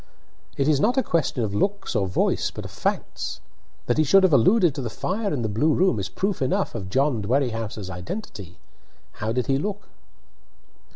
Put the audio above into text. "It is not a question of looks or voice, but of facts. That he should have alluded to the fire in the blue room is proof enough of John Dwerrihouse's identity. How did he look?"